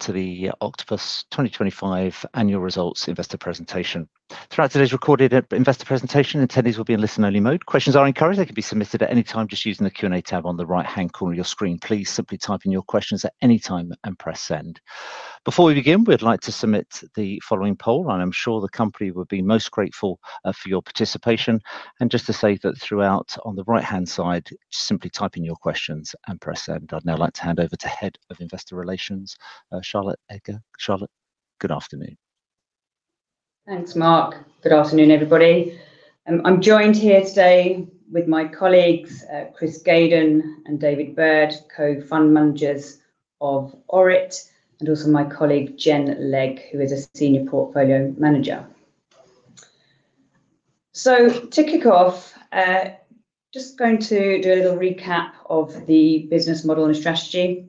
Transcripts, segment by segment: to the Octopus 2025 annual results investor presentation. Throughout today's recorded investor presentation, attendees will be in listen-only mode. Questions are encouraged. They can be submitted at any time just using the Q&A tab on the right-hand corner of your screen. Please simply type in your questions at any time and press Send. Before we begin, we'd like to submit the following poll, and I'm sure the company would be most grateful for your participation. Just to say that throughout, on the right-hand side, simply type in your questions and press Send. I'd now like to hand over to Head of Investor Relations Charlotte Edgar. Charlotte, good afternoon. Thanks, Mark. Good afternoon, everybody. I'm joined here today with my colleagues, Chris Gaydon and David Bird, Co-Fund Managers of ORIT, and also my colleague Genevieve Legg, who is a senior portfolio manager. To kick off, just going to do a little recap of the business model and strategy.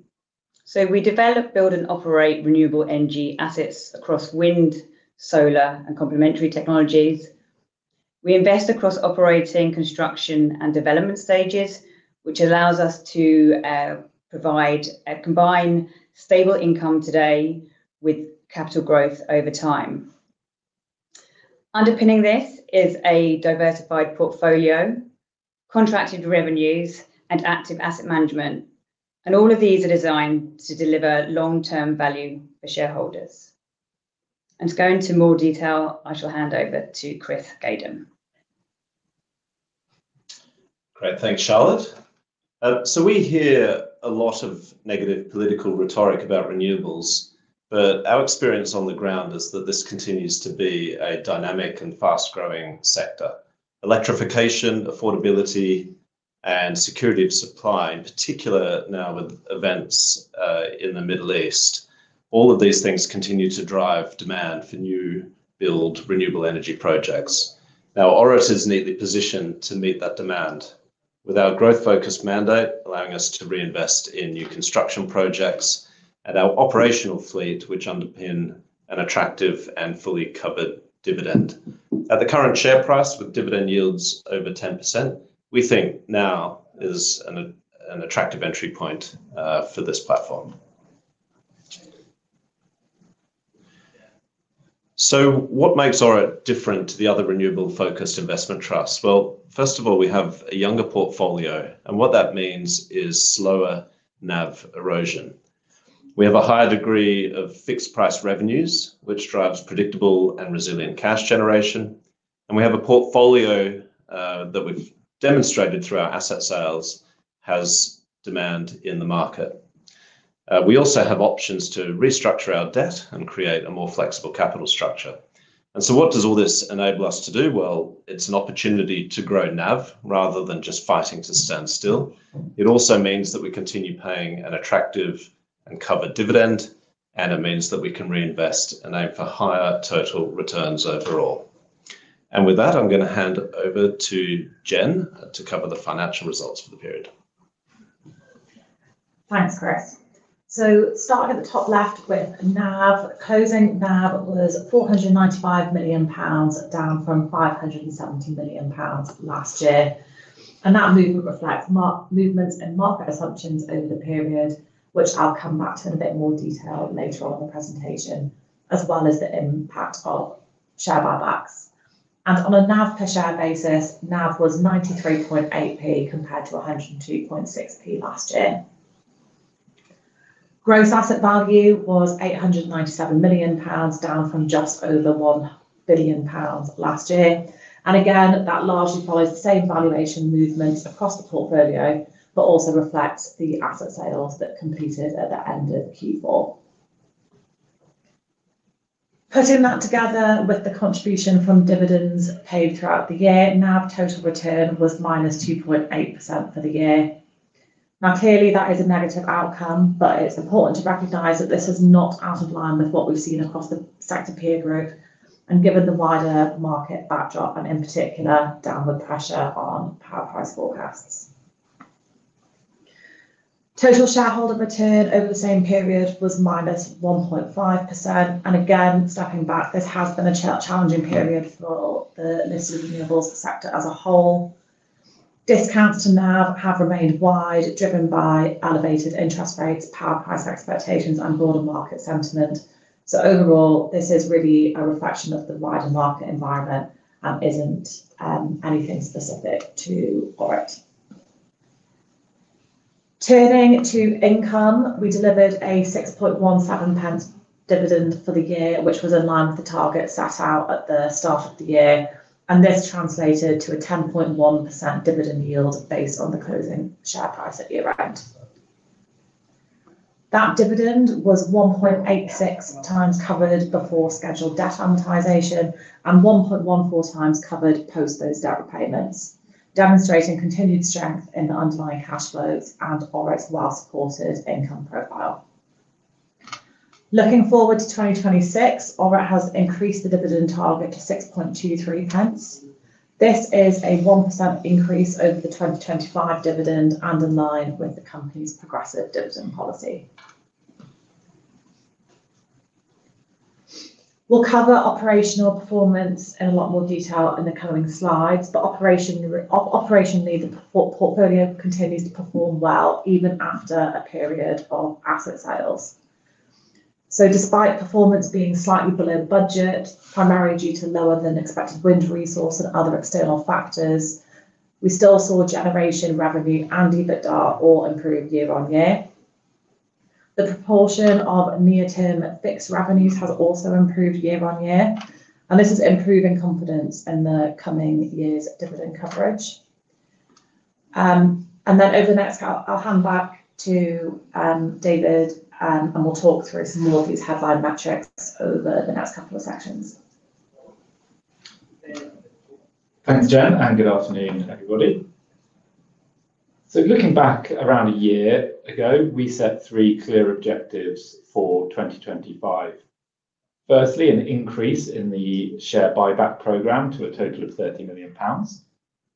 We develop, build, and operate renewable energy assets across wind, solar, and complementary technologies. We invest across operating, construction, and development stages, which allows us to provide a combined stable income today with capital growth over time. Underpinning this is a diversified portfolio, contracted revenues, and active asset management, and all of these are designed to deliver long-term value for shareholders. To go into more detail, I shall hand over to Chris Gaydon. Great. Thanks, Charlotte. So we hear a lot of negative political rhetoric about renewables, but our experience on the ground is that this continues to be a dynamic and fast-growing sector. Electrification, affordability, and security of supply, in particular now with events in the Middle East, all of these things continue to drive demand for new build renewable energy projects. Now, ORIT is neatly positioned to meet that demand with our growth-focused mandate allowing us to reinvest in new construction projects and our operational fleet, which underpin an attractive and fully covered dividend. At the current share price with dividend yields over 10%, we think now is an attractive entry point for this platform. What makes ORIT different to the other renewable-focused investment trusts? Well, first of all, we have a younger portfolio, and what that means is slower NAV erosion. We have a higher degree of fixed-price revenues, which drives predictable and resilient cash generation. We have a portfolio that we've demonstrated through our asset sales has demand in the market. We also have options to restructure our debt and create a more flexible capital structure. What does all this enable us to do? Well, it's an opportunity to grow NAV rather than just fighting to stand still. It also means that we continue paying an attractive and covered dividend, and it means that we can reinvest and aim for higher total returns overall. With that, I'm gonna hand over to Jen to cover the financial results for the period. Thanks, Chris. Starting at the top left with NAV. Closing NAV was 495 million pounds, down from 570 million pounds last year. That movement reflects movements in market assumptions over the period, which I'll come back to in a bit more detail later on in the presentation, as well as the impact of share buybacks. On a NAV per share basis, NAV was 93.8p compared to 102.6p last year. Gross asset value was 897 million pounds, down from just over 1 billion pounds last year. Again, that largely follows the same valuation movement across the portfolio but also reflects the asset sales that completed at the end of Q4. Putting that together with the contribution from dividends paid throughout the year, NAV total return was -2.8% for the year. Now, clearly, that is a negative outcome, but it's important to recognize that this is not out of line with what we've seen across the sector peer group and given the wider market backdrop and, in particular, downward pressure on power price forecasts. Total shareholder return over the same period was -1.5%. Again, stepping back, this has been a challenging period for the listed renewables sector as a whole. Discounts to NAV have remained wide, driven by elevated interest rates, power price expectations, and broader market sentiment. Overall, this is really a reflection of the wider market environment and isn't anything specific to ORIT. Turning to income, we delivered a 6.17 pence dividend for the year, which was in line with the target set out at the start of the year, and this translated to a 10.1% dividend yield based on the closing share price at year-end. That dividend was 1.86x covered before scheduled debt amortization and 1.14x covered post those debt repayments, demonstrating continued strength in the underlying cash flows and ORIT's well-supported income profile. Looking forward to 2026, ORIT has increased the dividend target to 6.23 pence. This is a 1% increase over the 2025 dividend and in line with the company's progressive dividend policy. We'll cover operational performance in a lot more detail in the coming slides, but operationally the portfolio continues to perform well even after a period of asset sales. Despite performance being slightly below budget, primarily due to lower than expected wind resource and other external factors, we still saw generation revenue and EBITDA all improve year-on-year. The proportion of near-term fixed revenues has also improved year-on-year, and this is improving confidence in the coming year's dividend coverage. I'll hand back to David, and we'll talk through some more of these headline metrics over the next couple of sections. Thanks, Jen, and good afternoon, everybody. Looking back around a year ago, we set three clear objectives for 2025. Firstly, an increase in the share buyback program to a total of 30 million pounds.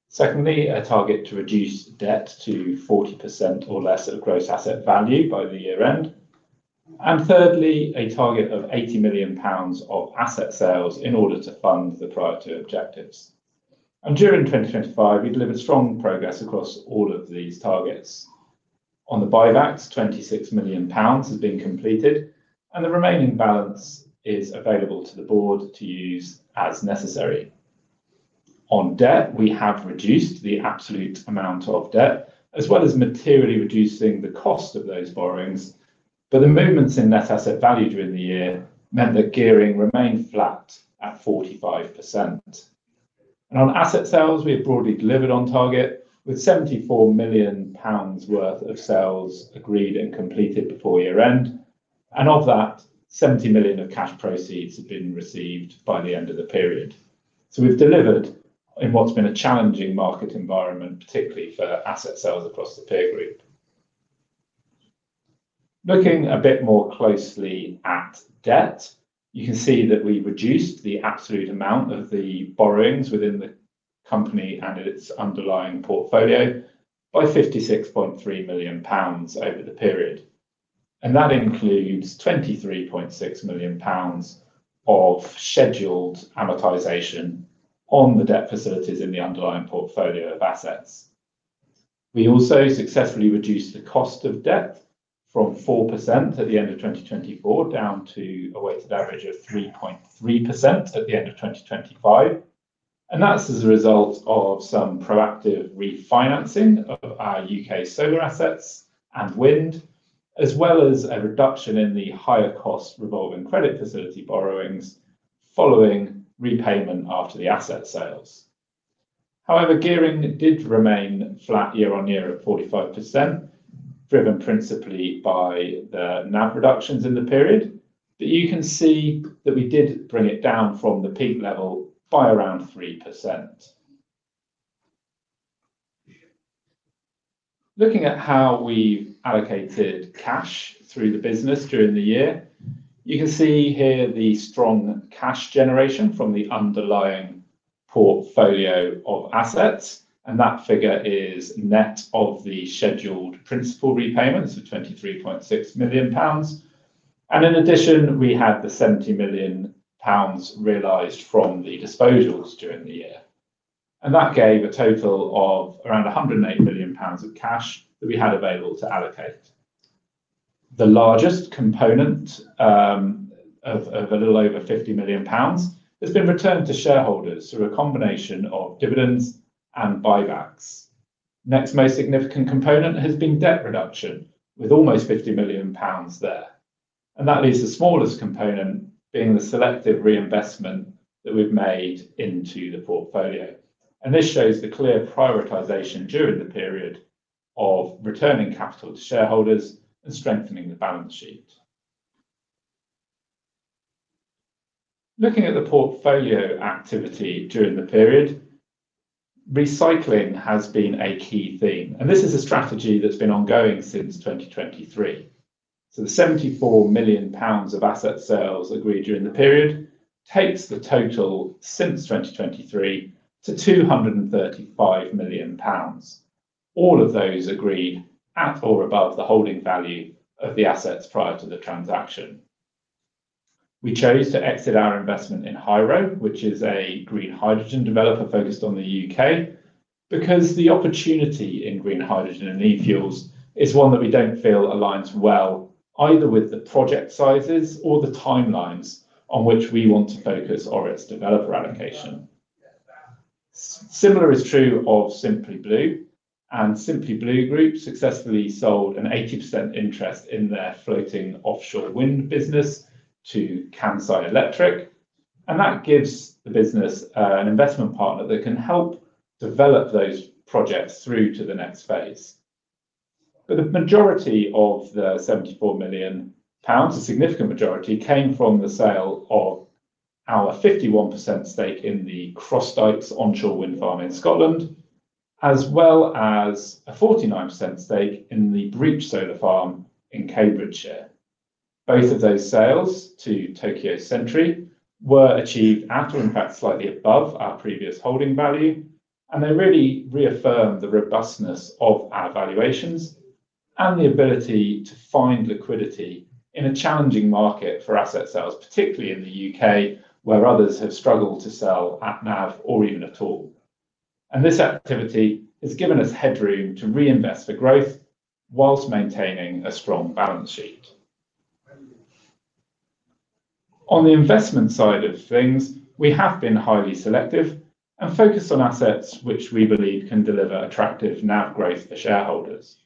Secondly, a target to reduce debt to 40% or less of gross asset value by the year-end. Thirdly, a target of 80 million pounds of asset sales in order to fund the prior two objectives. During 2025, we delivered strong progress across all of these targets. On the buybacks, 26 million pounds has been completed, and the remaining balance is available to the board to use as necessary. On debt, we have reduced the absolute amount of debt, as well as materially reducing the cost of those borrowings. The movements in net asset value during the year meant that gearing remained flat at 45%. On asset sales, we have broadly delivered on target with 74 million pounds worth of sales agreed and completed before year-end. Of that, 70 million of cash proceeds have been received by the end of the period. We've delivered in what's been a challenging market environment, particularly for asset sales across the peer group. Looking a bit more closely at debt, you can see that we reduced the absolute amount of the borrowings within the company and its underlying portfolio by 56.3 million pounds over the period. That includes 23.6 million pounds of scheduled amortization on the debt facilities in the underlying portfolio of assets. We also successfully reduced the cost of debt from 4% at the end of 2024 down to a weighted average of 3.3% at the end of 2025. That's as a result of some proactive refinancing of our UK solar assets and wind, as well as a reduction in the higher cost revolving credit facility borrowings following repayment after the asset sales. However, gearing did remain flat year-on-year at 45%, driven principally by the NAV reductions in the period. You can see that we did bring it down from the peak level by around 3%. Looking at how we've allocated cash through the business during the year, you can see here the strong cash generation from the underlying portfolio of assets, and that figure is net of the scheduled principal repayments of 23.6 million pounds. In addition, we had the 70 million pounds realized from the disposals during the year. That gave a total of around 108 million pounds of cash that we had available to allocate. The largest component, of a little over 50 million pounds has been returned to shareholders through a combination of dividends and buybacks. Next most significant component has been debt reduction with almost 50 million pounds there. That leaves the smallest component being the selective reinvestment that we've made into the portfolio. This shows the clear prioritization during the period of returning capital to shareholders and strengthening the balance sheet. Looking at the portfolio activity during the period, recycling has been a key theme, and this is a strategy that's been ongoing since 2023. The 74 million pounds of asset sales agreed during the period takes the total since 2023 to 235 million pounds. All of those agreed at or above the holding value of the assets prior to the transaction. We chose to exit our investment in HYRO, which is a green hydrogen developer focused on the U.K., because the opportunity in green hydrogen and e-fuels is one that we don't feel aligns well either with the project sizes or the timelines on which we want to focus our developer allocation. Similar is true of Simply Blue. Simply Blue Group successfully sold an 80% interest in their floating offshore wind business to Kansai Electric, and that gives the business an investment partner that can help develop those projects through to the next phase. The majority of the 74 million pounds, a significant majority, came from the sale of our 51% stake in the Crossdykes onshore wind farm in Scotland, as well as a 49% stake in the Breach Solar Farm in Cambridgeshire. Both of those sales to Tokyo Century were achieved at or in fact slightly above our previous holding value, and they really reaffirmed the robustness of our valuations. The ability to find liquidity in a challenging market for asset sales, particularly in the U.K., where others have struggled to sell at NAV or even at all. This activity has given us headroom to reinvest for growth while maintaining a strong balance sheet. On the investment side of things, we have been highly selective and focused on assets which we believe can deliver attractive NAV growth for shareholders.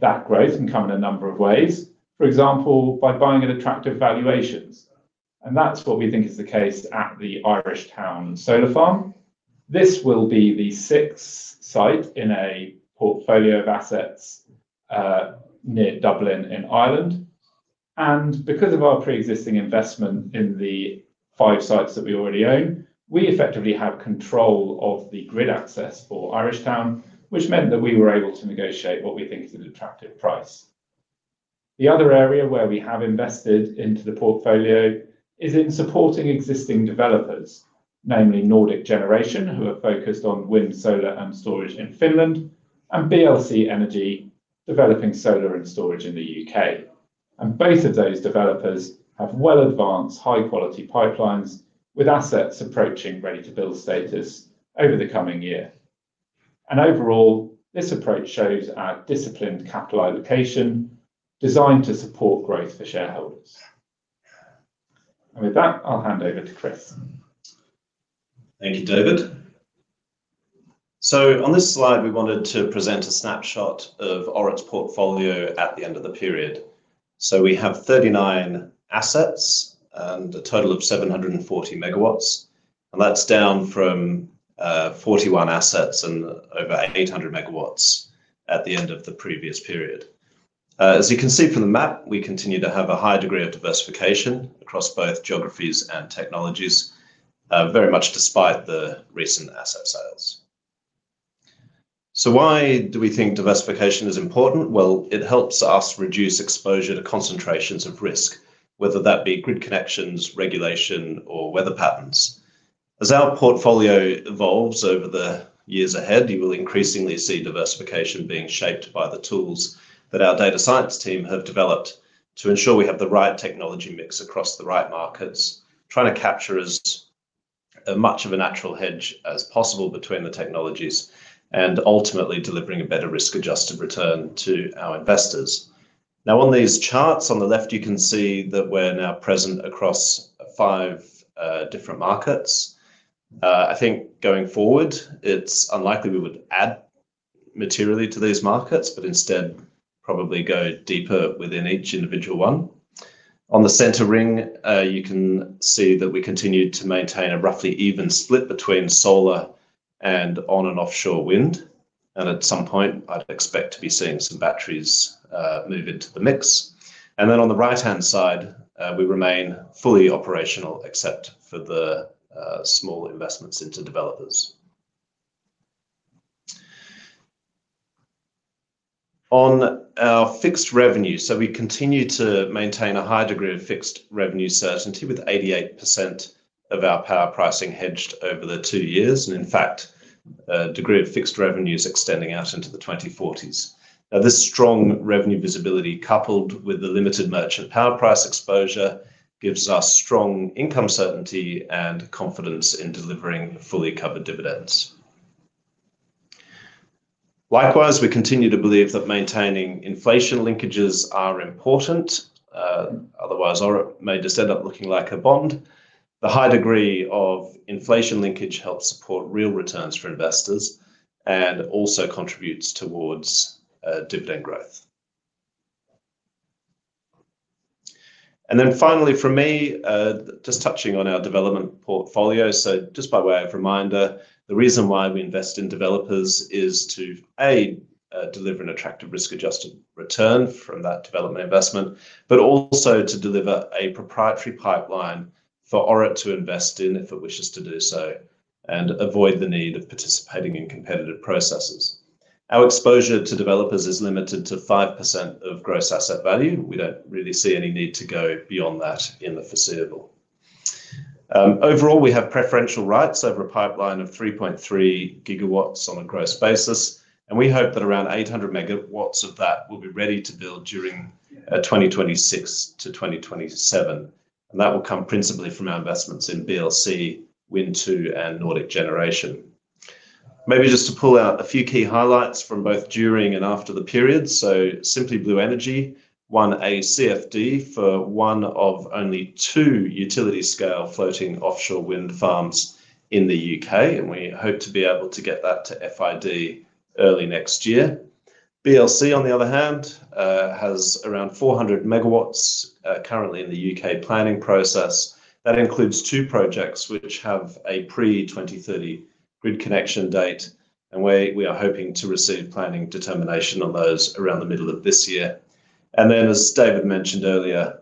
That growth can come in a number of ways. For example, by buying at attractive valuations, and that's what we think is the case at the Irishtown solar farm. This will be the sixth site in a portfolio of assets near Dublin in Ireland. Because of our pre-existing investment in the five sites that we already own, we effectively have control of the grid access for Irishtown, which meant that we were able to negotiate what we think is an attractive price. The other area where we have invested into the portfolio is in supporting existing developers, namely Nordic Generation, who have focused on wind, solar, and storage in Finland, and BLC Energy, developing solar and storage in the UK. Both of those developers have well-advanced high-quality pipelines with assets approaching ready-to-build status over the coming year. Overall, this approach shows our disciplined capital allocation designed to support growth for shareholders. With that, I'll hand over to Chris. Thank you, David. On this slide, we wanted to present a snapshot of ORIT's portfolio at the end of the period. We have 39 assets and a total of 740 MW, and that's down from 41 assets and over 800 MW at the end of the previous period. As you can see from the map, we continue to have a high degree of diversification across both geographies and technologies, very much despite the recent asset sales. Why do we think diversification is important? Well, it helps us reduce exposure to concentrations of risk, whether that be grid connections, regulation, or weather patterns. As our portfolio evolves over the years ahead, you will increasingly see diversification being shaped by the tools that our data science team have developed to ensure we have the right technology mix across the right markets, trying to capture as much of a natural hedge as possible between the technologies and ultimately delivering a better risk-adjusted return to our investors. Now, on these charts, on the left, you can see that we're now present across five different markets. I think going forward, it's unlikely we would add materially to these markets, but instead probably go deeper within each individual one. On the center ring, you can see that we continue to maintain a roughly even split between solar and on and offshore wind. At some point, I'd expect to be seeing some batteries move into the mix. On the right-hand side, we remain fully operational, except for the small investments into developers. On our fixed revenue. We continue to maintain a high degree of fixed revenue certainty with 88% of our power pricing hedged over the two years, and in fact, a degree of fixed revenues extending out into the 2040s. Now, this strong revenue visibility, coupled with the limited merchant power price exposure, gives us strong income certainty and confidence in delivering fully covered dividends. Likewise, we continue to believe that maintaining inflation linkages are important, otherwise ORIT may just end up looking like a bond. The high degree of inflation linkage helps support real returns for investors and also contributes towards dividend growth. Finally from me, just touching on our development portfolio. Just by way of reminder, the reason why we invest in developers is to, A, deliver an attractive risk-adjusted return from that development investment, but also to deliver a proprietary pipeline for ORIT to invest in if it wishes to do so and avoid the need of participating in competitive processes. Our exposure to developers is limited to 5% of gross asset value. We don't really see any need to go beyond that in the foreseeable. Overall, we have preferential rights over a pipeline of 3.3 GW on a gross basis, and we hope that around 800 MW of that will be ready-to-build during 2026 to 2027. That will come principally from our investments in BLC, Wind 2 and Nordic Generation. Maybe just to pull out a few key highlights from both during and after the period. Simply Blue Group won a CFD for one of only two utility-scale floating offshore wind farms in the U.K., and we hope to be able to get that to FID early next year. BLC, on the other hand, has around 400 MW currently in the U.K. planning process. That includes two projects which have a pre-2030 grid connection date, and we are hoping to receive planning determination on those around the middle of this year. As David mentioned earlier,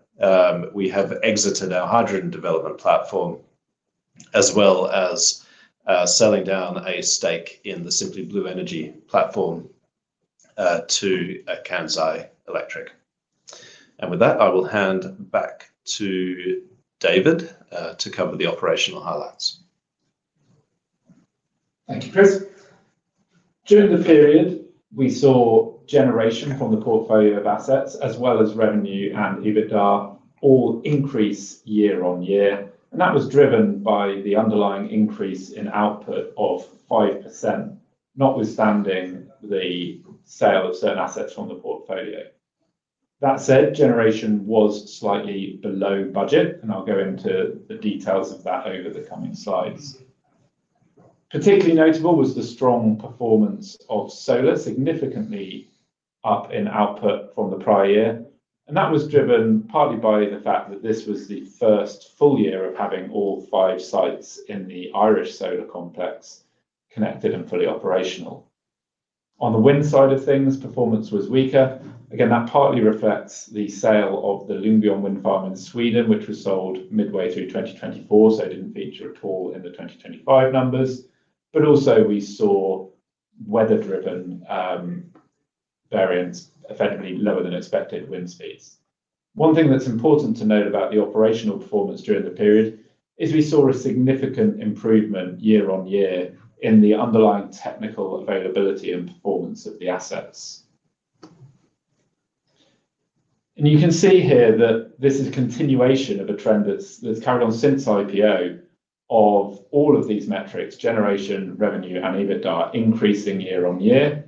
we have exited our hydrogen development platform, as well as selling down a stake in the Simply Blue Group platform to Kansai Electric. With that, I will hand back to David to cover the operational highlights. Thank you, Chris. During the period, we saw generation from the portfolio of assets as well as revenue and EBITDA all increase year-over-year, and that was driven by the underlying increase in output of 5%, notwithstanding the sale of certain assets from the portfolio. That said, generation was slightly below budget, and I'll go into the details of that over the coming slides. Particularly notable was the strong performance of solar, significantly up in output from the prior year, and that was driven partly by the fact that this was the first full year of having all five sites in the Irish solar complex connected and fully operational. On the wind side of things, performance was weaker. Again, that partly reflects the sale of the Ljungby Wind Farm in Sweden, which was sold midway through 2024, so it didn't feature at all in the 2025 numbers. Also we saw weather-driven variants, effectively lower than expected wind speeds. One thing that's important to note about the operational performance during the period is we saw a significant improvement year-on-year in the underlying technical availability and performance of the assets. You can see here that this is a continuation of a trend that's carried on since IPO of all of these metrics, generation, revenue and EBITDA increasing year-on-year.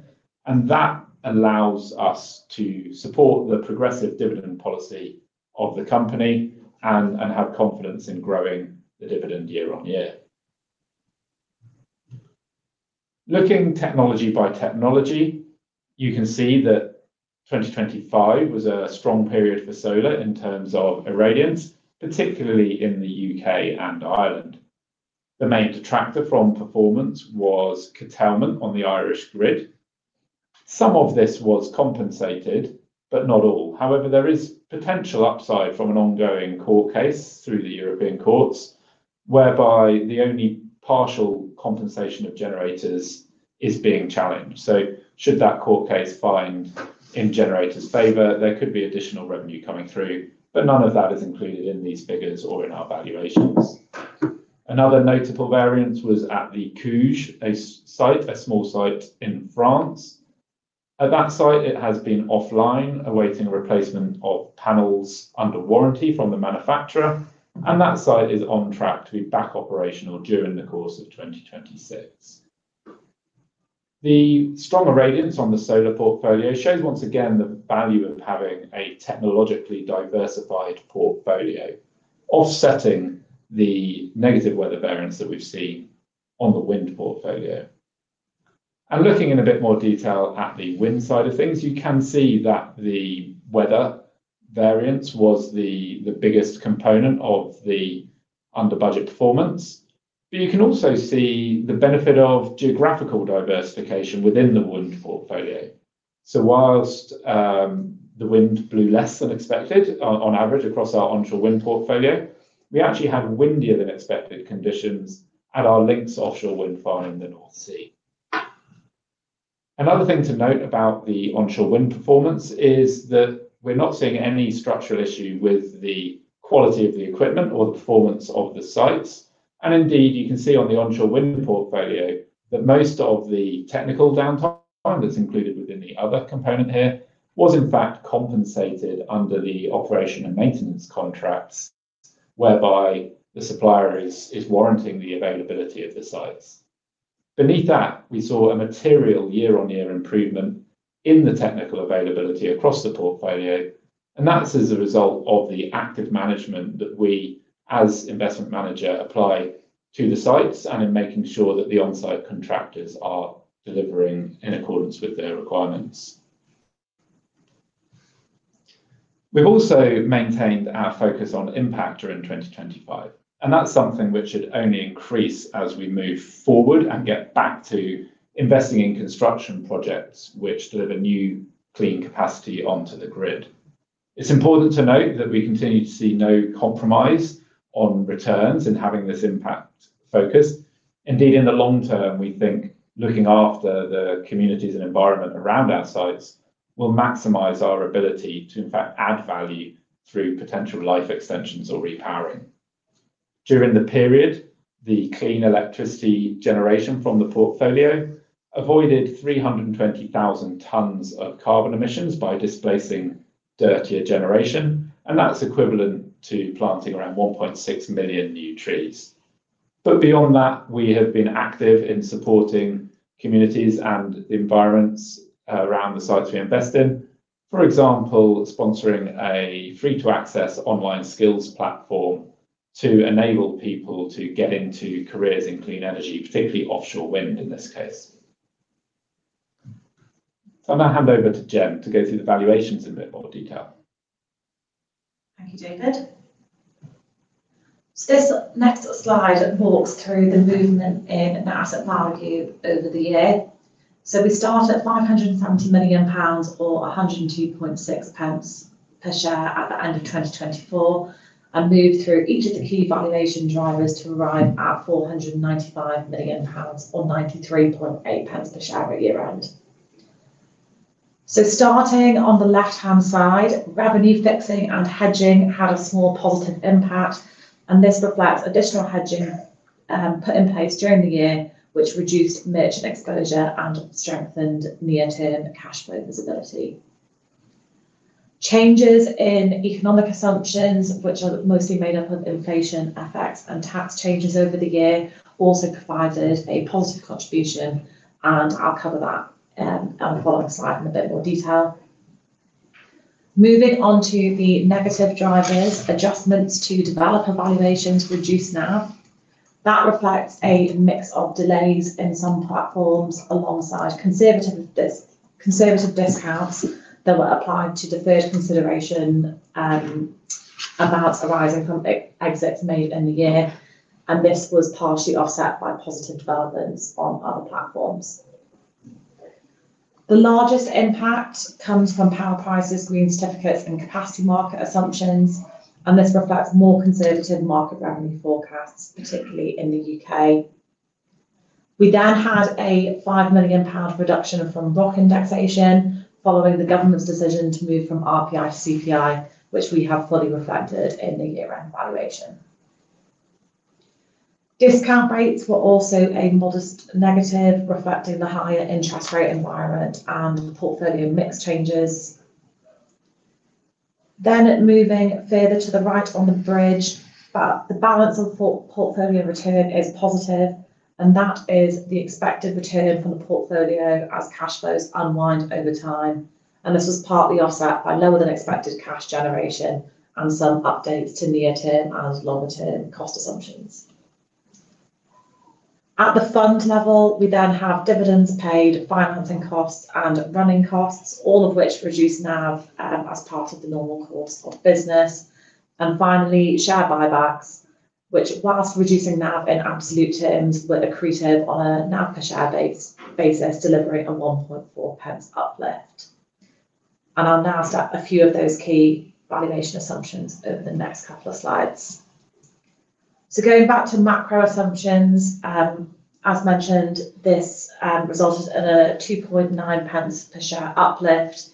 That allows us to support the progressive dividend policy of the company and have confidence in growing the dividend year-on-year. Looking technology by technology, you can see that 2025 was a strong period for solar in terms of irradiance, particularly in the U.K. and Ireland. The main detractor from performance was curtailment on the Irish grid. Some of this was compensated, but not all. However, there is potential upside from an ongoing court case through the European courts, whereby the only partial compensation of generators is being challenged. Should that court case find in generator's favor, there could be additional revenue coming through, but none of that is included in these figures or in our valuations. Another notable variance was at the Cougé site, a small site in France. At that site, it has been offline, awaiting replacement of panels under warranty from the manufacturer, and that site is on track to be back operational during the course of 2026. The stronger irradiance on the solar portfolio shows once again the value of having a technologically diversified portfolio, offsetting the negative weather variance that we've seen on the wind portfolio. Looking in a bit more detail at the wind side of things, you can see that the weather variance was the biggest component of the under-budget performance. You can also see the benefit of geographical diversification within the wind portfolio. Whilst the wind blew less than expected on average across our onshore wind portfolio, we actually had windier than expected conditions at our Lincs offshore wind farm in the North Sea. Another thing to note about the onshore wind performance is that we're not seeing any structural issue with the quality of the equipment or the performance of the sites. Indeed, you can see on the onshore wind portfolio that most of the technical downtime that's included within the other component here was in fact compensated under the operation and maintenance contracts, whereby the supplier is warranting the availability of the sites. Beneath that, we saw a material year-on-year improvement in the technical availability across the portfolio, and that is as a result of the active management that we, as investment manager, apply to the sites and in making sure that the on-site contractors are delivering in accordance with their requirements. We've also maintained our focus on impact during 2025, and that's something which should only increase as we move forward and get back to investing in construction projects which deliver new clean capacity onto the grid. It's important to note that we continue to see no compromise on returns in having this impact focus. Indeed, in the long term, we think looking after the communities and environment around our sites will maximize our ability to in fact add value through potential life extensions or repowering. During the period, the clean electricity generation from the portfolio avoided 320,000 tons of carbon emissions by displacing dirtier generation, and that's equivalent to planting around 1.6 million new trees. Beyond that, we have been active in supporting communities and the environments around the sites we invest in. For example, sponsoring a free-to-access online skills platform to enable people to get into careers in clean energy, particularly offshore wind in this case. I'll now hand over to Jen to go through the valuations in a bit more detail. Thank you, David. This next slide walks through the movement in our asset value over the year. We start at 570 million pounds or 102.6 pence per share at the end of 2024 and move through each of the key valuation drivers to arrive at 495 million pounds or 93.8 pence per share at year-end. Starting on the left-hand side, revenue fixing and hedging had a small positive impact, and this reflects additional hedging put in place during the year, which reduced merchant exposure and strengthened near-term cash flow visibility. Changes in economic assumptions, which are mostly made up of inflation effects and tax changes over the year, also provided a positive contribution, and I'll cover that on the following slide in a bit more detail. Moving on to the negative drivers. Adjustments to developer valuations reduced NAV. That reflects a mix of delays in some platforms alongside conservative dis-conservative discounts that were applied to deferred consideration, amounts arising from exits made in the year, and this was partially offset by positive developments on other platforms. The largest impact comes from power prices, green certificates, and capacity market assumptions, and this reflects more conservative market revenue forecasts, particularly in the UK. We then had a 5 million pound reduction from ROC indexation following the government's decision to move from RPI to CPI, which we have fully reflected in the year-end valuation. Discount rates were also a modest negative, reflecting the higher interest rate environment and portfolio mix changes. Moving further to the right on the bridge, but the balance of portfolio return is positive, and that is the expected return from the portfolio as cash flows unwind over time. This was partly offset by lower than expected cash generation and some updates to near-term and longer-term cost assumptions. At the fund level, we then have dividends paid, financing costs, and running costs, all of which reduce NAV, as part of the normal course of business. Finally, share buybacks, which while reducing NAV in absolute terms, were accretive on a NAV per share basis, delivering a 0.014 uplift. I'll now start a few of those key valuation assumptions over the next couple of slides. Going back to macro assumptions, as mentioned, this resulted in a 0.029 pounds per share uplift,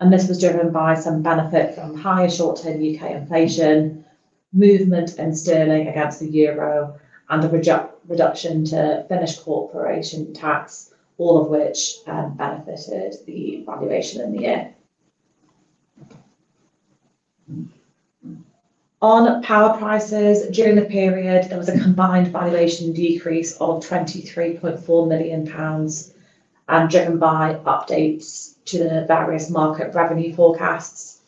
and this was driven by some benefit from higher short-term U.K. inflation, movement in sterling against the euro and the reduction to Finnish corporate income tax, all of which benefited the valuation in the year. On power prices, during the period, there was a combined valuation decrease of 23.4 million pounds, driven by updates to the various market revenue forecasts.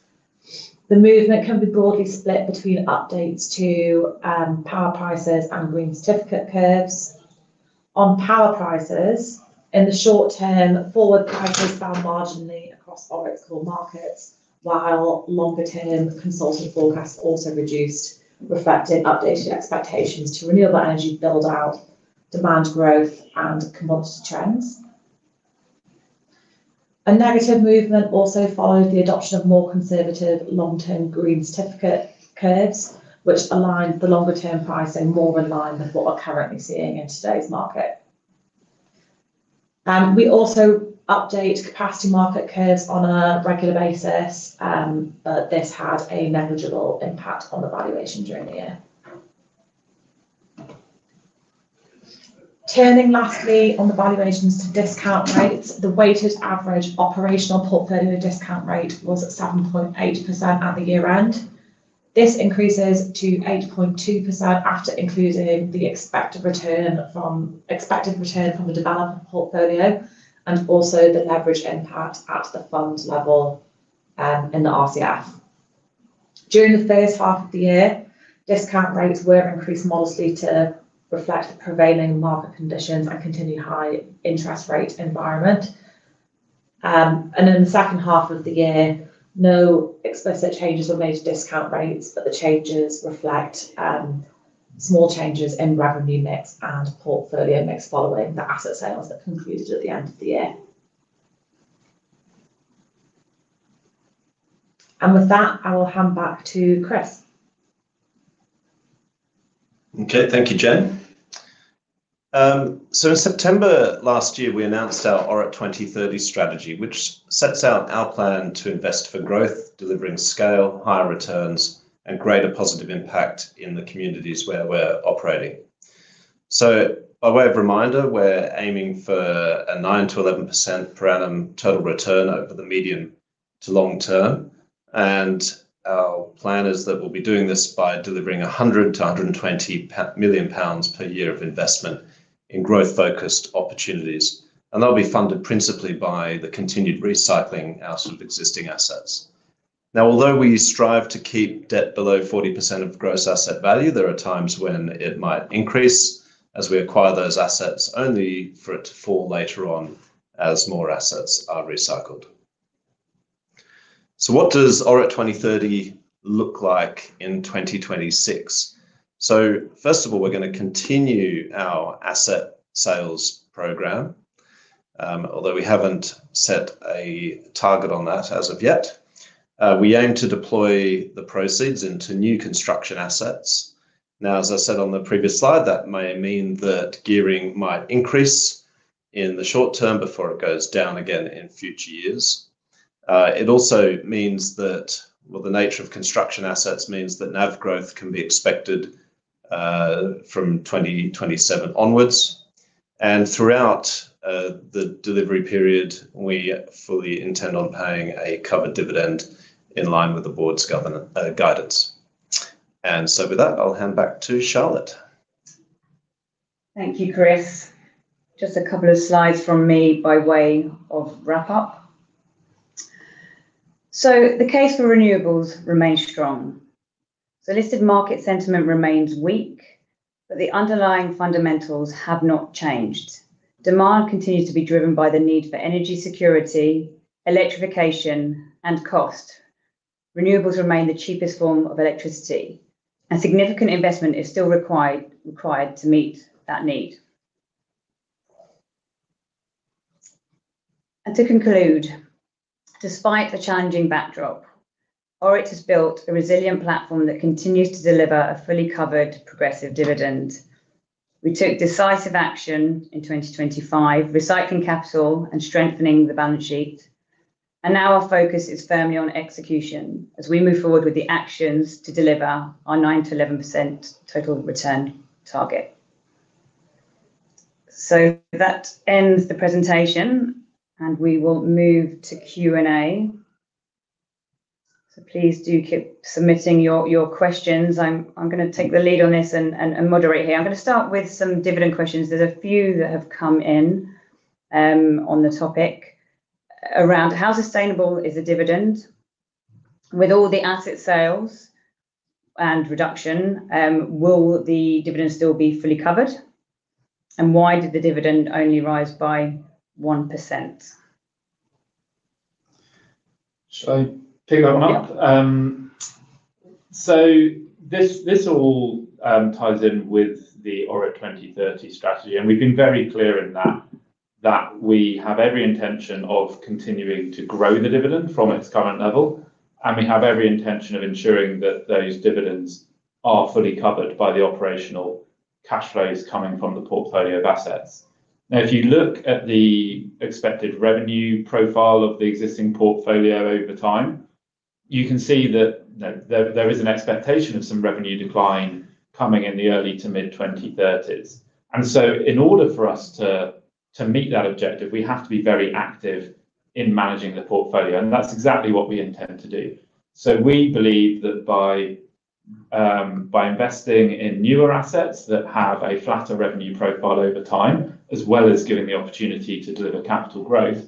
The movement can be broadly split between updates to power prices and green certificate curves. On power prices, in the short term, forward prices fell marginally across ORIT's core markets. While longer-term consensus forecasts also reduced, reflecting updated expectations to renewable energy build-out, demand growth, and commodity trends. A negative movement also followed the adoption of more conservative long-term green certificate curves, which aligned the longer-term pricing more in line with what we're currently seeing in today's market. We also update capacity market curves on a regular basis, but this had a negligible impact on the valuation during the year. Turning lastly on the valuations to discount rates, the weighted average operational portfolio discount rate was at 7.8% at the year-end. This increases to 8.2% after including the expected return from the development portfolio and also the leverage impact at the fund level in the RCF. During the first half of the year, discount rates were increased modestly to reflect the prevailing market conditions and continued high interest rate environment. In the second half of the year, no explicit changes were made to discount rates, but the changes reflect small changes in revenue mix and portfolio mix following the asset sales that concluded at the end of the year. With that, I will hand back to Chris. Okay. Thank you, Jen. In September last year, we announced our ORIT 2030 strategy, which sets out our plan to invest for growth, delivering scale, higher returns, and greater positive impact in the communities where we're operating. By way of reminder, we're aiming for a 9%-11% per annum total return over the medium to long term, and our plan is that we'll be doing this by delivering 100 million-120 million pounds per year of investment in growth-focused opportunities, and they'll be funded principally by the continued recycling out of existing assets. Now, although we strive to keep debt below 40% of gross asset value, there are times when it might increase as we acquire those assets, only for it to fall later on as more assets are recycled. What does ORIT 2030 look like in 2026? First of all, we're gonna continue our asset sales program, although we haven't set a target on that as of yet. We aim to deploy the proceeds into new construction assets. Now, as I said on the previous slide, that may mean that gearing might increase in the short term before it goes down again in future years. It also means that well, the nature of construction assets means that NAV growth can be expected from 2027 onwards. Throughout the delivery period, we fully intend on paying a covered dividend in line with the board's guidance. With that, I'll hand back to Charlotte. Thank you, Chris. Just a couple of slides from me by way of wrap up. The case for renewables remains strong. The listed market sentiment remains weak, but the underlying fundamentals have not changed. Demand continues to be driven by the need for energy security, electrification, and cost. Renewables remain the cheapest form of electricity, and significant investment is still required to meet that need. To conclude, despite the challenging backdrop, ORIT has built a resilient platform that continues to deliver a fully covered progressive dividend. We took decisive action in 2025, recycling capital and strengthening the balance sheet, and now our focus is firmly on execution as we move forward with the actions to deliver our 9%-11% total return target. That ends the presentation, and we will move to Q&A. Please do keep submitting your questions. I'm gonna take the lead on this and moderate here. I'm gonna start with some dividend questions. There are a few that have come in on the topic around how sustainable is the dividend. With all the asset sales and reduction, will the dividend still be fully covered? Why did the dividend only rise by 1%? Shall I pick that one up? Yeah. This all ties in with the ORIT 2030 strategy, and we've been very clear in that we have every intention of continuing to grow the dividend from its current level, and we have every intention of ensuring that those dividends are fully covered by the operational cash flows coming from the portfolio of assets. Now, if you look at the expected revenue profile of the existing portfolio over time, you can see that there is an expectation of some revenue decline coming in the early- to mid-2030s. In order for us to meet that objective, we have to be very active in managing the portfolio, and that's exactly what we intend to do. We believe that by investing in newer assets that have a flatter revenue profile over time, as well as giving the opportunity to deliver capital growth,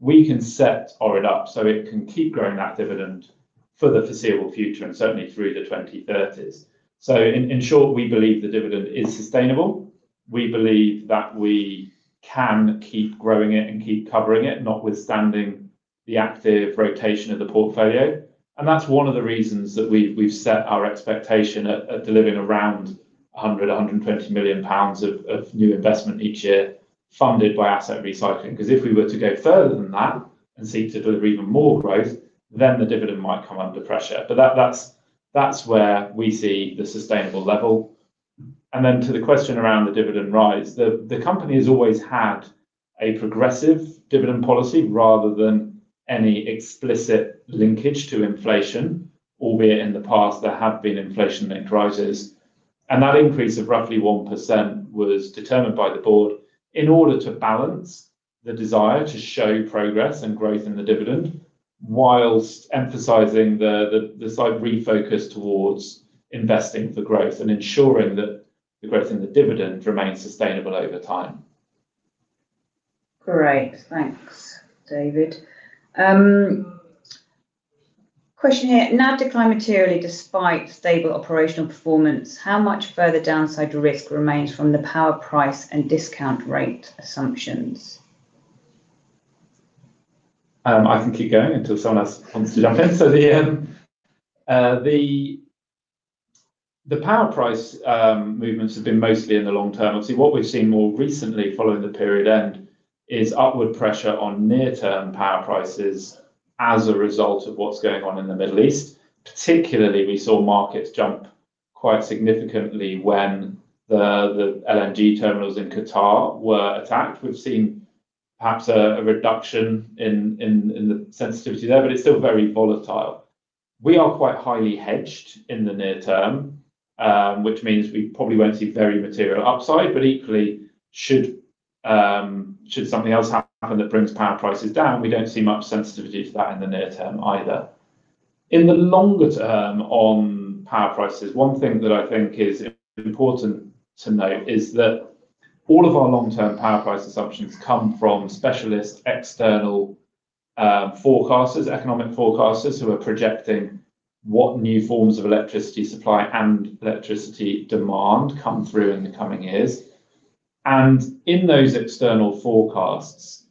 we can set ORIT up so it can keep growing that dividend for the foreseeable future, and certainly through the 2030s. In short, we believe the dividend is sustainable. We believe that we can keep growing it and keep covering it, notwithstanding the active rotation of the portfolio. That's one of the reasons that we've set our expectation at delivering around 120 million pounds of new investment each year funded by asset recycling. 'Cause if we were to go further than that and seek to deliver even more growth, then the dividend might come under pressure. That's where we see the sustainable level. To the question around the dividend rise, the company has always had a progressive dividend policy rather than any explicit linkage to inflation, albeit in the past there have been inflation-linked rises. That increase of roughly 1% was determined by the Board in order to balance the desire to show progress and growth in the dividend while emphasizing the slight refocus towards investing for growth and ensuring that the growth in the dividend remains sustainable over time. Great. Thanks, David. Question here. NAV declined materially despite stable operational performance. How much further downside risk remains from the power price and discount rate assumptions? I can keep going until someone else wants to jump in. The power price movements have been mostly in the long term. Obviously, what we've seen more recently following the period end is upward pressure on near-term power prices as a result of what's going on in the Middle East. Particularly, we saw markets jump quite significantly when the LNG terminals in Qatar were attacked. We've seen perhaps a reduction in the sensitivity there, but it's still very volatile. We are quite highly hedged in the near term, which means we probably won't see very material upside, but equally should something else happen that brings power prices down, we don't see much sensitivity to that in the near term either. In the longer term on power prices, one thing that I think is important to note is that all of our long-term power price assumptions come from specialist external forecasters, economic forecasters who are projecting what new forms of electricity supply and electricity demand come through in the coming years. In those external forecasts,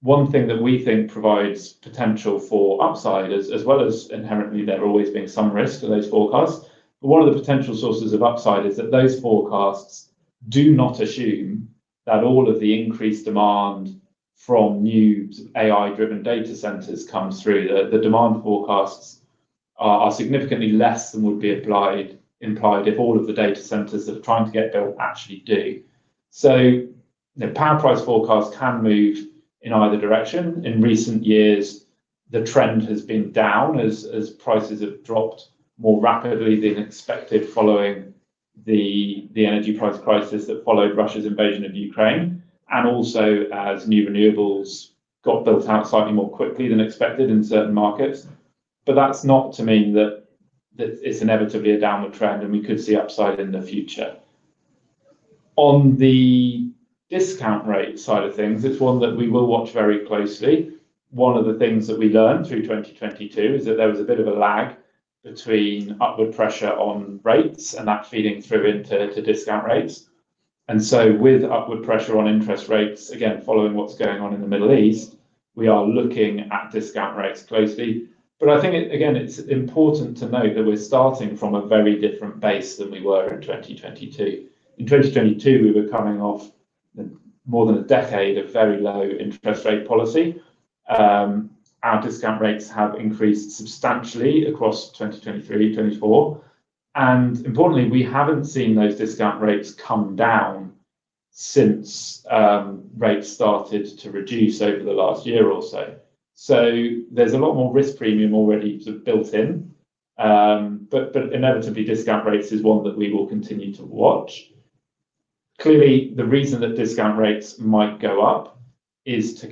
one thing that we think provides potential for upside as well as inherently there always being some risk to those forecasts, but one of the potential sources of upside is that those forecasts do not assume that all of the increased demand from new AI-driven data centers comes through. The demand forecasts are significantly less than would be implied if all of the data centers that are trying to get built actually do. The power price forecast can move in either direction. In recent years, the trend has been down as prices have dropped more rapidly than expected following the energy price crisis that followed Russia's invasion of Ukraine, and also as new renewables got built out slightly more quickly than expected in certain markets. That's not to mean that it's inevitably a downward trend, and we could see upside in the future. On the discount rate side of things, it's one that we will watch very closely. One of the things that we learned through 2022 is that there was a bit of a lag between upward pressure on rates and that feeding through into discount rates. With upward pressure on interest rates, again, following what's going on in the Middle East, we are looking at discount rates closely. I think, again, it's important to note that we're starting from a very different base than we were in 2022. In 2022, we were coming off more than a decade of very low interest rate policy. Our discount rates have increased substantially across 2023, 2024. Importantly, we haven't seen those discount rates come down since rates started to reduce over the last year or so. There's a lot more risk premium already sort of built in. Inevitably, discount rates is one that we will continue to watch. Clearly, the reason that discount rates might go up is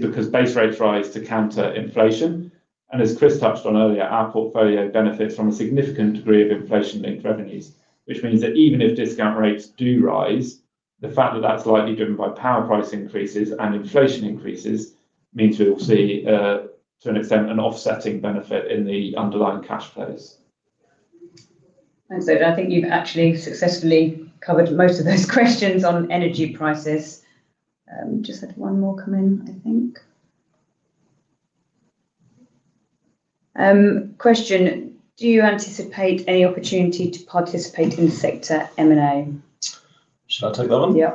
because base rates rise to counter inflation. as Chris touched on earlier, our portfolio benefits from a significant degree of inflation-linked revenues, which means that even if discount rates do rise, the fact that that's likely driven by power price increases and inflation increases means we will see, to an extent, an offsetting benefit in the underlying cash flows. Thanks, Ed. I think you've actually successfully covered most of those questions on energy prices. We just had one more come in, I think. Question, do you anticipate any opportunity to participate in sector M&A? Should I take that one? Yeah.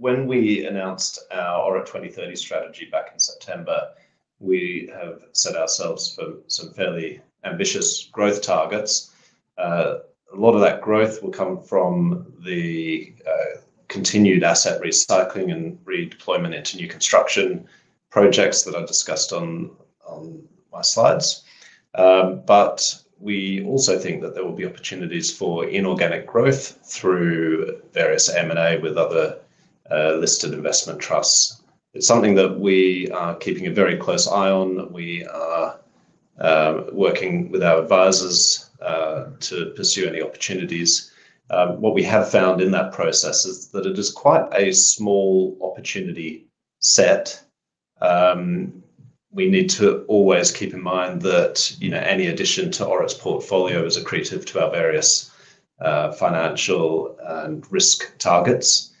When we announced our ORIT 2030 strategy back in September, we have set ourselves for some fairly ambitious growth targets. A lot of that growth will come from the continued asset recycling and redeployment into new construction projects that I discussed on my slides. We also think that there will be opportunities for inorganic growth through various M&A with other listed investment trusts. It's something that we are keeping a very close eye on, that we are working with our advisors to pursue any opportunities. What we have found in that process is that it is quite a small opportunity set. We need to always keep in mind that, you know, any addition to ORIT's portfolio is accretive to our various financial and risk targets.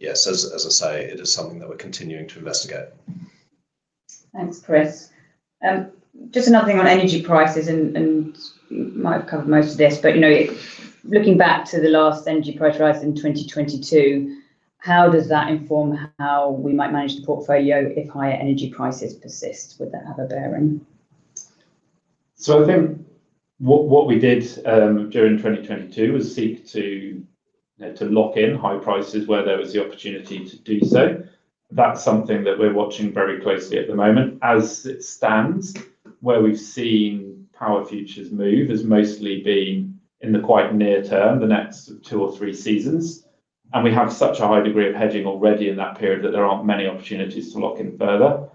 Yes, as I say, it is something that we're continuing to investigate. Thanks, Chris. Just another thing on energy prices and you might have covered most of this, but, you know, looking back to the last energy price rise in 2022, how does that inform how we might manage the portfolio if higher energy prices persist? Would that have a bearing? I think what we did during 2022 was seek to lock in high prices where there was the opportunity to do so. That's something that we're watching very closely at the moment. As it stands, where we've seen power futures move has mostly been in the quite near term, the next two or three seasons, and we have such a high degree of hedging already in that period that there aren't many opportunities to lock in further.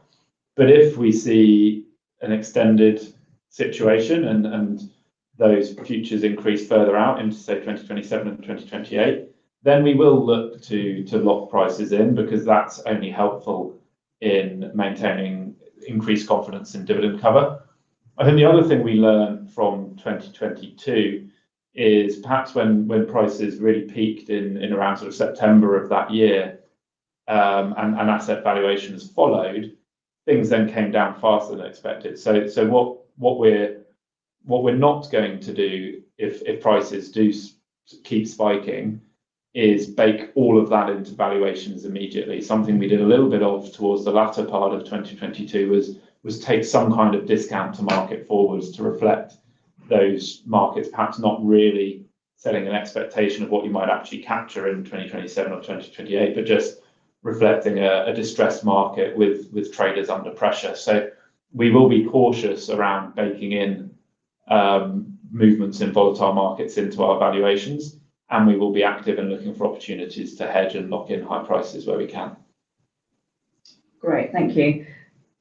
If we see an extended situation and those futures increase further out into, say, 2027 and 2028, then we will look to lock prices in because that's only helpful in maintaining increased confidence in dividend cover. I think the other thing we learned from 2022 is perhaps when prices really peaked in around sort of September of that year, and asset valuations followed, things then came down faster than expected. What we're not going to do if prices do keep spiking is bake all of that into valuations immediately. Something we did a little bit of towards the latter part of 2022 was take some kind of discount to market forwards to reflect those markets, perhaps not really setting an expectation of what you might actually capture in 2027 or 2028, but just reflecting a distressed market with traders under pressure. We will be cautious around baking in movements in volatile markets into our valuations, and we will be active in looking for opportunities to hedge and lock in high prices where we can. Great. Thank you.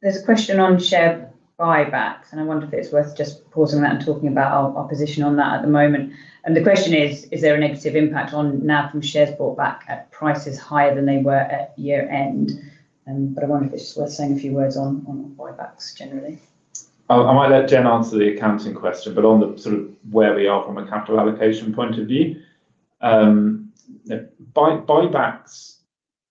There's a question on share buybacks, and I wonder if it's worth just pausing that and talking about our position on that at the moment. The question is: Is there a negative impact on NAV from shares bought back at prices higher than they were at year-end? I wonder if it's worth saying a few words on buybacks generally. I might let Jen answer the accounting question, but on the sort of where we are from a capital allocation point of view, the buybacks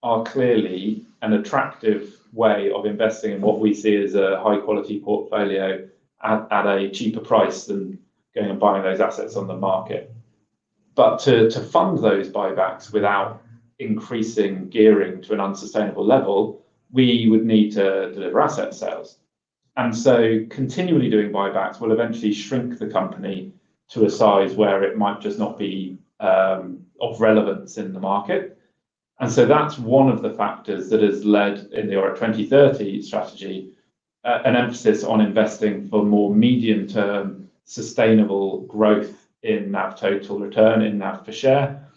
are clearly an attractive way of investing in what we see as a high-quality portfolio at a cheaper price than going and buying those assets on the market. To fund those buybacks without increasing gearing to an unsustainable level, we would need to deliver asset sales. Continually doing buybacks will eventually shrink the company to a size where it might just not be of relevance in the market. That's one of the factors that has led to the ORIT 2030 strategy an emphasis on investing for more medium to sustainable growth in NAV total return, in NAV per share,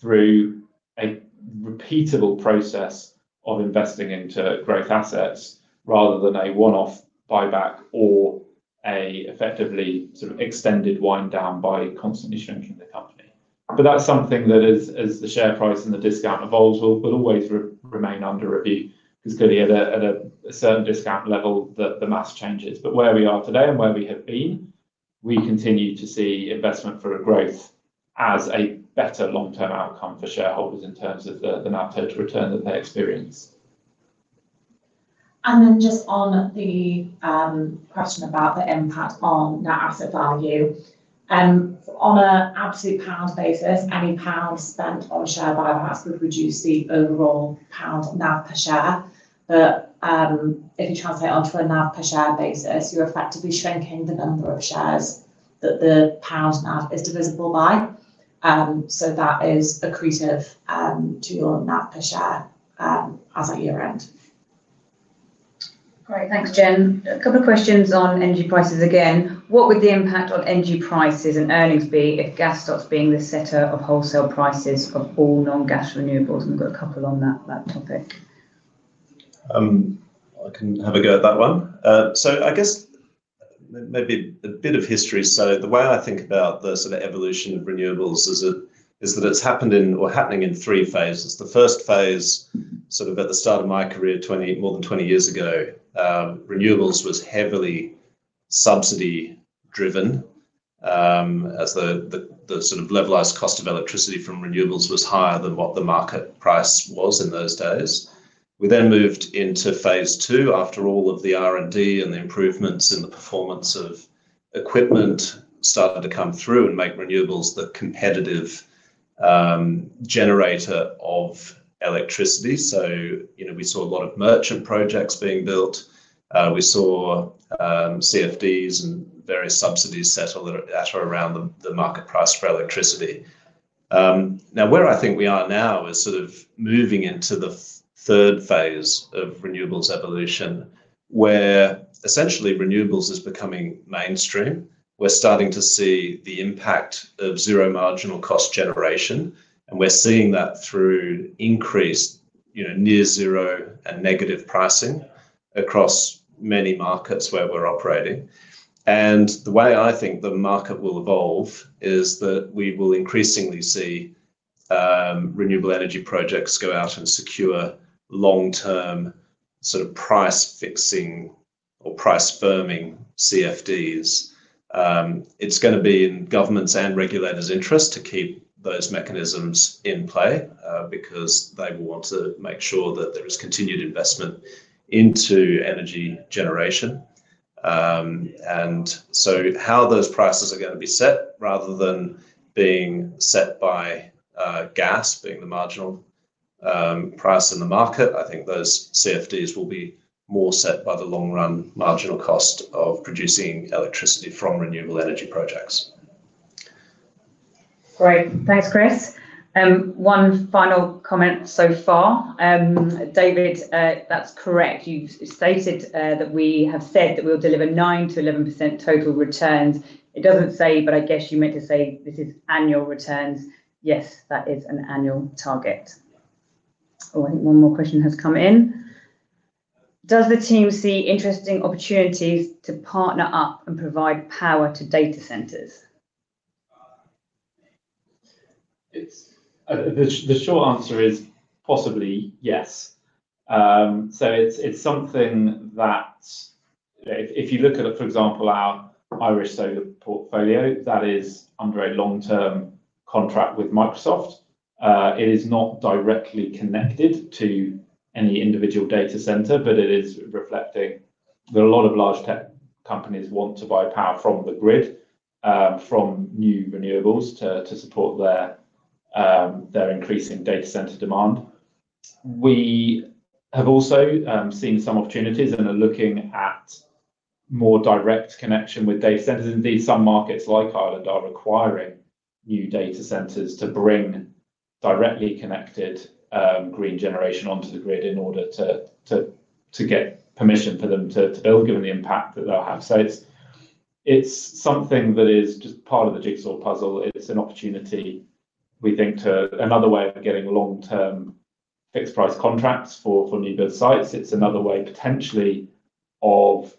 through a repeatable process of investing into growth assets rather than a one-off buyback or effectively sort of extended wind down by constantly shrinking the company. That's something that as the share price and the discount evolves will always remain under review because clearly at a certain discount level the math changes. Where we are today and where we have been, we continue to see investment for a growth as a better long-term outcome for shareholders in terms of the NAV total return that they experience. Just on the question about the impact on net asset value. On an absolute pound basis, any pound spent on share buybacks would reduce the overall pound NAV per share. If you translate onto a NAV per share basis, you're effectively shrinking the number of shares that the pound NAV is divisible by. That is accretive to your NAV per share as at year-end. Great. Thanks, Jen. A couple of questions on energy prices again. What would the impact on energy prices and earnings be if gas stops being the setter of wholesale prices for all non-gas renewables? We've got a couple on that topic. I can have a go at that one. I guess maybe a bit of history. The way I think about the sort of evolution of renewables is that it's happened in or happening in three phases. The first phase, sort of at the start of my career, more than 20 years ago, renewables was heavily subsidy-driven, as the sort of levelized cost of electricity from renewables was higher than what the market price was in those days. We then moved into phase two after all of the R&D and the improvements in the performance of equipment started to come through and make renewables the competitive generator of electricity. You know, we saw a lot of merchant projects being built. We saw CFDs and various subsidies set a little at or around the market price for electricity. Now where I think we are now is sort of moving into the third phase of renewables evolution, where essentially renewables is becoming mainstream. We're starting to see the impact of zero marginal cost generation, and we're seeing that through increased, you know, near zero and negative pricing across many markets where we're operating. The way I think the market will evolve is that we will increasingly see renewable energy projects go out and secure long-term sort of price fixing or price firming CFDs. It's gonna be in governments and regulators' interest to keep those mechanisms in play, because they will want to make sure that there is continued investment into energy generation. How those prices are gonna be set rather than being set by gas being the marginal price in the market. I think those CFDs will be more set by the long run marginal cost of producing electricity from renewable energy projects. Great. Thanks, Chris. One final comment so far. David, that's correct. You've stated that we have said that we'll deliver 9%-11% total returns. It doesn't say, but I guess you meant to say this is annual returns. Yes, that is an annual target. Oh, I think one more question has come in. Does the team see interesting opportunities to partner up and provide power to data centers? It's the short answer is possibly yes. It's something that if you look at, for example, our Irish solar portfolio, that is under a long-term contract with Microsoft, it is not directly connected to any individual data center, but it is reflecting that a lot of large tech companies want to buy power from the grid, from new renewables to support their increasing data center demand. We have also seen some opportunities and are looking at more direct connection with data centers. Indeed, some markets like Ireland are requiring new data centers to bring directly connected green generation onto the grid in order to get permission for them to build, given the impact that they'll have. It's something that is just part of the jigsaw puzzle. It's an opportunity we think to... Another way of getting long-term fixed price contracts for new build sites. It's another way potentially of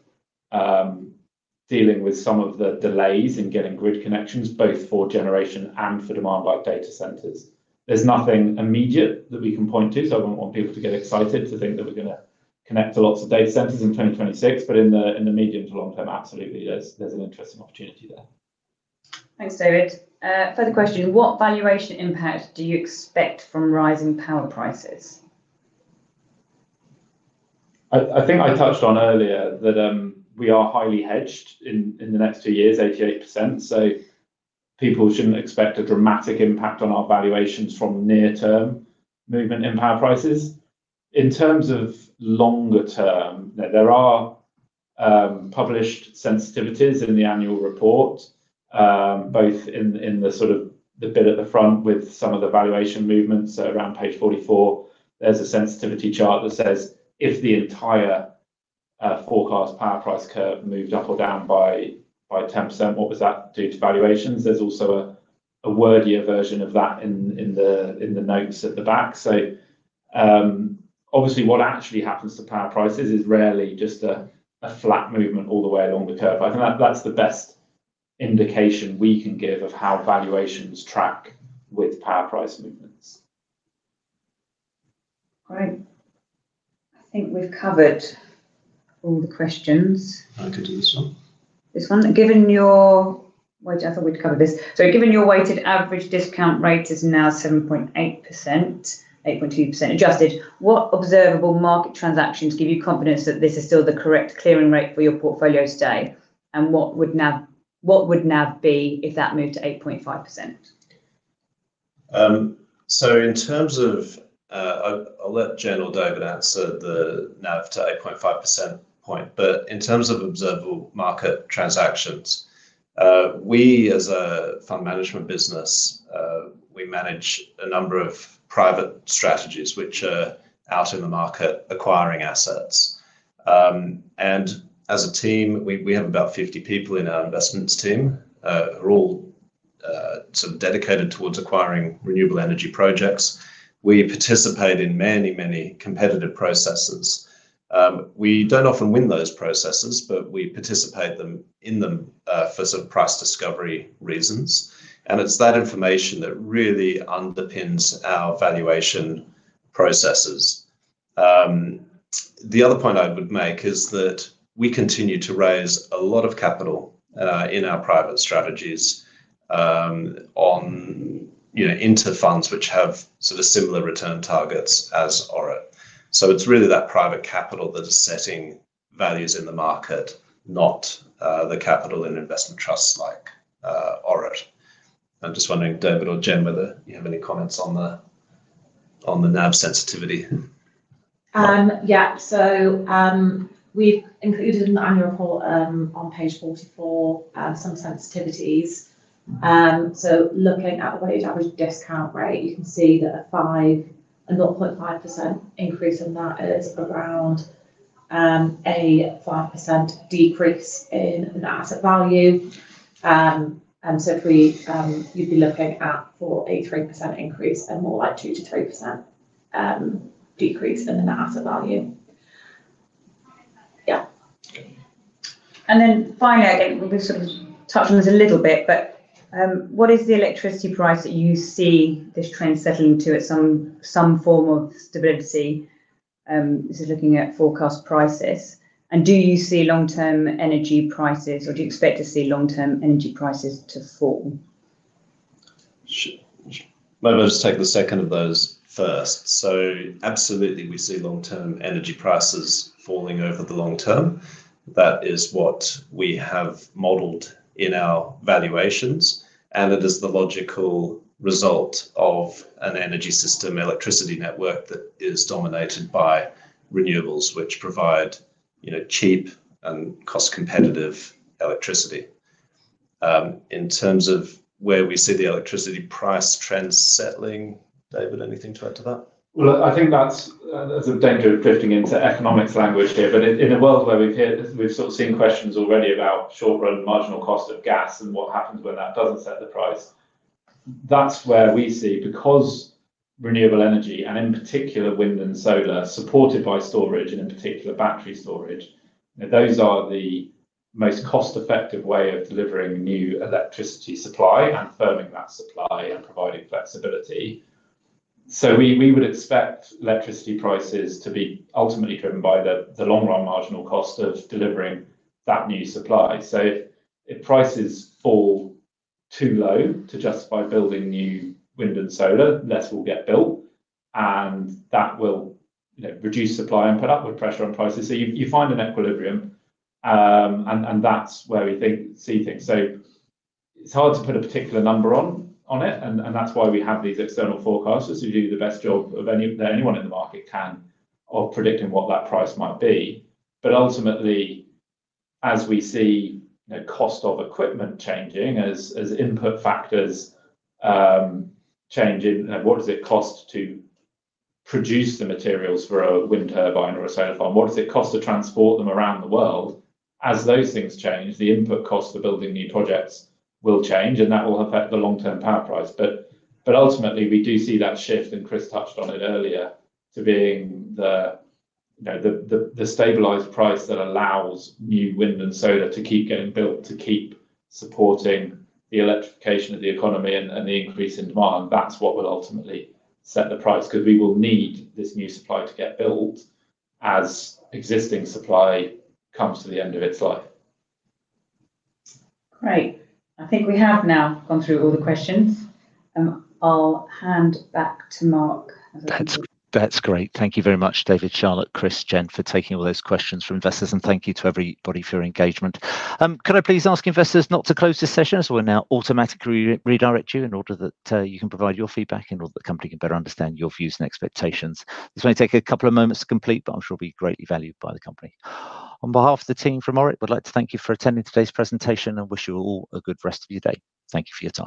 dealing with some of the delays in getting grid connections both for generation and for demand by data centers. There's nothing immediate that we can point to, so I wouldn't want people to get excited to think that we're gonna connect to lots of data centers in 2026, but in the medium to long term, absolutely there's an interesting opportunity there. Thanks, David. Further question. What valuation impact do you expect from rising power prices? I think I touched on earlier that we are highly hedged in the next two years, 88%. People shouldn't expect a dramatic impact on our valuations from near-term movement in power prices. In terms of longer term, there are published sensitivities in the annual report, both in the sort of the bit at the front with some of the valuation movements around page 44. There's a sensitivity chart that says, if the entire forecast power price curve moved up or down by 10%, what that would do to valuations. There's also a wordier version of that in the notes at the back. Obviously what actually happens to power prices is rarely just a flat movement all the way along the curve. I think that's the best indication we can give of how valuations track with power price movements. Great. I think we've covered all the questions. I could do this one. Wait, I thought we'd covered this. Given your weighted average discount rate is now 7.8%, 8.2% adjusted, what observable market transactions give you confidence that this is still the correct clearing rate for your portfolio today? And what would NAV be if that moved to 8.5%? In terms of, I'll let Jen or David answer the NAV to 8.5%. In terms of observable market transactions, we as a fund management business, we manage a number of private strategies which are out in the market acquiring assets. As a team, we have about 50 people in our investments team, who are all sort of dedicated towards acquiring renewable energy projects. We participate in many competitive processes. We don't often win those processes, but we participate in them for sort of price discovery reasons, and it's that information that really underpins our valuation processes. The other point I would make is that we continue to raise a lot of capital in our private strategies, you know, into funds which have sort of similar return targets as ORIT. It's really that private capital that is setting values in the market, not the capital in investment trusts like ORIT. I'm just wondering, David or Jen, whether you have any comments on the NAV sensitivity. Yeah. We've included in the annual report, on page 44, some sensitivities. Looking at the weighted average discount rate, you can see that a 0.5% increase on that is around a 5% decrease in the asset value. For you'd be looking at for a 3% increase and more like 2%-3% decrease in the net asset value. Yeah. Then finally, again, we've sort of touched on this a little bit, but, what is the electricity price that you see this trend settling to at some form of stability? This is looking at forecast prices. Do you see long-term energy prices or do you expect to see long-term energy prices to fall? Maybe I'll just take the second of those first. Absolutely we see long-term energy prices falling over the long term. That is what we have modeled in our valuations, and it is the logical result of an energy system electricity network that is dominated by renewables, which provide, you know, cheap and cost competitive electricity. In terms of where we see the electricity price trends settling, David, anything to add to that? Well, I think that's a danger of drifting into economics language here, but in a world where we've sort of seen questions already about short-run marginal cost of gas and what happens when that doesn't set the price. That's where we see, because renewable energy, and in particular wind and solar, supported by storage and in particular battery storage, those are the most cost-effective way of delivering new electricity supply and firming that supply and providing flexibility. We would expect electricity prices to be ultimately driven by the long-run marginal cost of delivering that new supply. If prices fall too low to justify building new wind and solar, less will get built, and that will, you know, reduce supply and put upward pressure on prices. You find an equilibrium, and that's where we think we see things. It's hard to put a particular number on it, and that's why we have these external forecasters who do the best job of anyone in the market can of predicting what that price might be. Ultimately, as we see the cost of equipment changing, as input factors changing, what does it cost to produce the materials for a wind turbine or a solar panel. What does it cost to transport them around the world? As those things change, the input cost of building new projects will change, and that will affect the long-term power price. Ultimately, we do see that shift, and Chris touched on it earlier, to being the, you know, the stabilized price that allows new wind and solar to keep getting built, to keep supporting the electrification of the economy and the increase in demand. That's what will ultimately set the price because we will need this new supply to get built as existing supply comes to the end of its life. Great. I think we have now gone through all the questions. I'll hand back to Mark. That's great. Thank you very much, David, Charlotte, Chris, Jen, for taking all those questions from investors. Thank you to everybody for your engagement. Could I please ask investors not to close this session, as we'll now automatically re-redirect you in order that you can provide your feedback in order that the company can better understand your views and expectations. This may take a couple of moments to complete, but I'm sure it'll be greatly valued by the company. On behalf of the team from ORIT, we'd like to thank you for attending today's presentation and wish you all a good rest of your day. Thank you for your time.